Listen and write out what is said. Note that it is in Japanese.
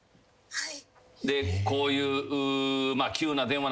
はい。